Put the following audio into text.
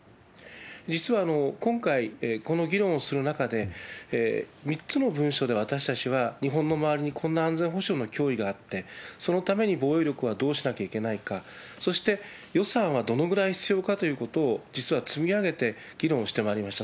実は今回、この議論をする中で、３つの文書で、私たちは、日本の周りにこんな安全保障の脅威があって、そのために防衛力はどうしなきゃいけないか、そして、予算はどのぐらい必要かということを、実は積み上げて議論をしてまいりました。